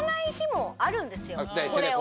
これを。